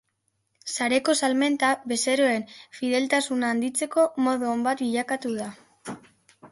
Sareko salmenta bezeroen fideltasuna handitzeko modu on bat bilakatu da.